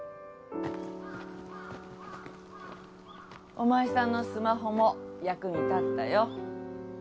お前さんのスマホも役に立ったよ。